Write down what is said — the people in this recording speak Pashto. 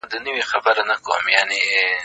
ماشوم کولی سي ښه زده کړه وکړي.